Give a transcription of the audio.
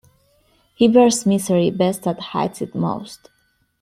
He bears misery best that hides it most.